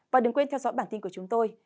và đừng quên theo dõi bản tin của chúng tôi